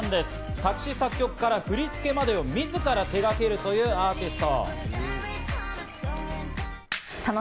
作詞・作曲から振り付けまでをみずから手がけるというアーティスト。